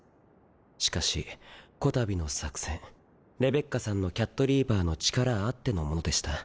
しかしこたびの作戦レベッカさんのキャットリーパーの力あってのものでした。